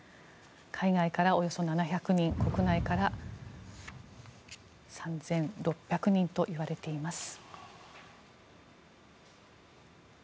海外からおよそ７００人国内から３６００人といわれています。